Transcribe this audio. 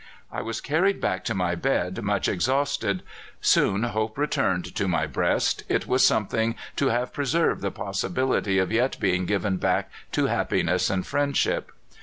"I was carried back to my bed much exhausted. Soon hope returned to my breast; it was something to have preserved the possibility of yet being given back to happiness and friendship."